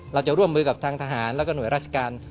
เราจะร่วมมือกับทางทหารแล้วก็หน่วยราชการ